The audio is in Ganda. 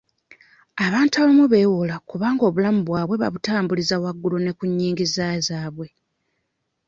Abantu abamu beewola kubanga obulamu bwabwe babutambuliza wagulu ku nnyingiza zaabwe.